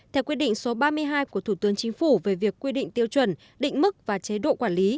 theo quyết định số ba mươi hai của thủ tướng chính phủ về việc quy định tiêu chuẩn định mức và chế độ quản lý